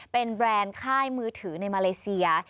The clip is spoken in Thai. เป็นแบรนด์ค่ายมือถือในมาเลเซีย